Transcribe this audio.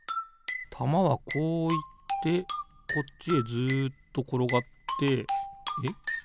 たまはこういってこっちへずっところがってえっ